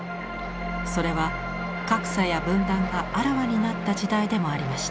それは格差や分断があらわになった時代でもありました。